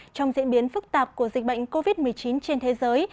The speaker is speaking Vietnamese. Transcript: trong diễn biến phức tạp của dịch bệnh covid một mươi chín trên thế giới